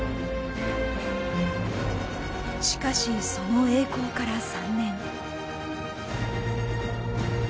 しかしその栄光から３年。